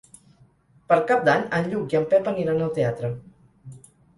Per Cap d'Any en Lluc i en Pep aniran al teatre.